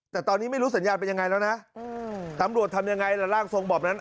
แต่ตอนนี้ไม่รู้สัญญาณเป็นยังไงแล้วนะตำรวจทำยังไงล่ะร่างทรงแบบนั้น